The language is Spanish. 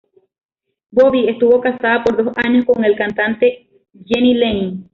Bobbie estuvo casada por dos años con el cantante Jani Lane.